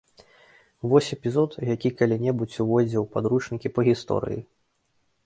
Вось эпізод, які калі-небудзь увойдзе ў падручнікі па гісторыі.